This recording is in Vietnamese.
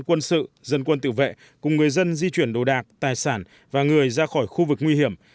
quân sự dân quân tự vệ cùng người dân di chuyển đồ đạc tài sản và người ra khỏi khu vực nguy hiểm